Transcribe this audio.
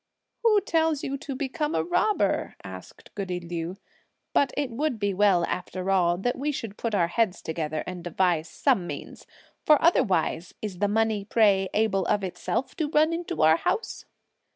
"Who tells you to become a robber?" asked goody Liu. "But it would be well, after all, that we should put our heads together and devise some means; for otherwise, is the money, pray, able of itself to run into our house?"